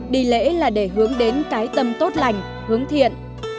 đi lễ là để hướng đến cái tâm tốt lành hướng thiện